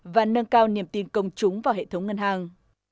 và nâng cao niềm tin công chúng vào hệ thống ngân hàng